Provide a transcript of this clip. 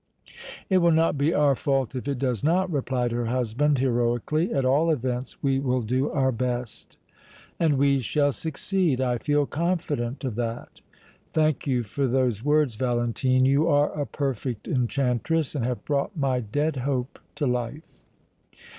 "It will not be our fault if it does not," replied her husband, heroically. "At all events, we will do our best." "And we shall succeed! I feel confident of that!" "Thank you for those words, Valentine! You are a perfect enchantress and have brought my dead hope to life!"